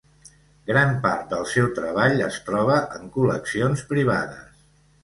Gran part del seu treball es troba en col·leccions privades.